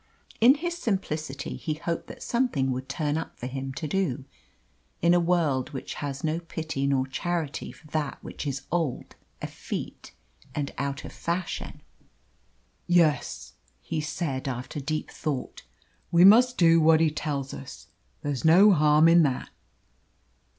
In his simplicity he hoped that something would turn up for him to do, in a world which has no pity nor charity for that which is old, effete, and out of fashion. "Yes," he said, after deep thought, "we must do what he tells us. There's no harm in that."